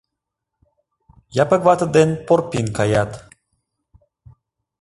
Япык вате ден Порпин каят.